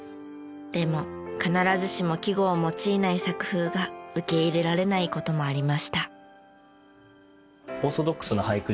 でも必ずしも季語を用いない作風が受け入れられない事もありました。